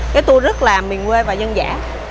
cái tour rất là miền quê và dân dã